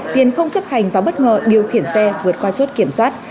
tiền không chấp hành và bất ngờ điều khiển xe vượt qua chốt kiểm soát